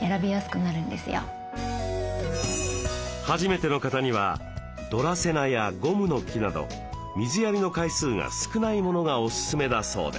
初めての方にはドラセナやゴムノキなど水やりの回数が少ないものがおすすめだそうです。